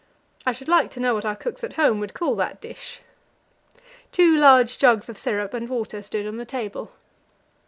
I should like to know what our cooks at home would call that dish. Two large jugs of syrup and water stood on the table.